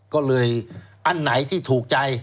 ก็เลยอันไหนที่ถูกใจ